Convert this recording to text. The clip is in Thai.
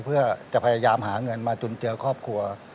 เพื่อจะพยายามหาเงินมาจุนเจือครอบครัว